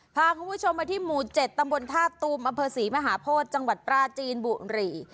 พาคุณผู้ชมมาที่หมู่๗ตำบลท่าตูมอำเภอศรีมหาโพธิจังหวัดปราจีนบุรี